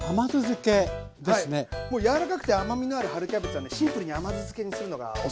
もう柔らかくて甘みのある春キャベツはねシンプルに甘酢漬けにするのがおすすめです。